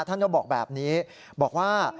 ท่านก็บอกแบบนี้บอกว่า